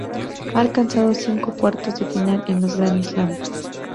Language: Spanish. Ha alcanzado cinco cuartos de final en los Grand Slam.